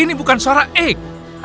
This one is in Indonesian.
ini bukan suara eik